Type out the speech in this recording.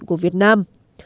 của việt nam